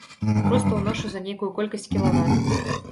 Проста ўношу за нейкую колькасць кілават.